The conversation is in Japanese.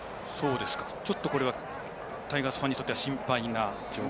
ちょっと、これはタイガースファンにとっては心配な。